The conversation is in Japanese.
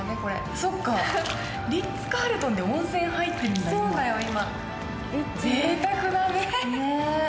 そっか、リッツ・カールトンで温泉入ってるんだ、今。